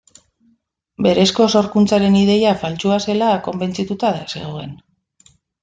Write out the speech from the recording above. Berezko sorkuntzaren ideia faltsua zela konbentzituta zegoen.